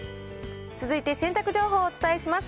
続いて洗濯情報をお伝えします。